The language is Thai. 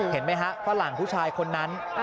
เห็นไหมฮะฝรั่งผู้ชายคนนั้น